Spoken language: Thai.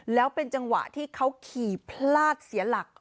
แล้วเป็นจังหวะที่เขาขี่พลาดเสียหลัก